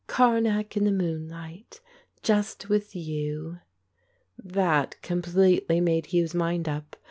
Karnak in the moonlight, just with you." That completely made Hugh's mind up.